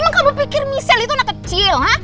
emang kamu pikir michelle itu anak kecil ha